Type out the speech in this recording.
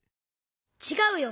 ちがうよ！